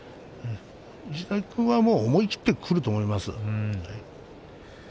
石崎君は思い切ってくると思います。